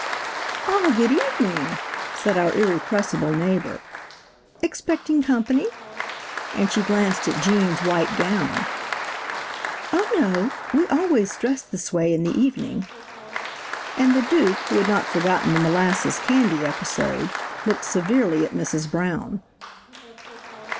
"Ah, good evening," said our irrepressible neighbor; "Expecting company?" and she glanced at Gene's white gown! "Oh, no; we always dress this way in the evening." And the Duke, who had not forgotten the molasses candy episode, looked severely at Mrs. Brown.